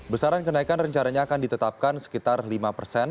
besaran kenaikan rencananya akan ditetapkan sekitar lima persen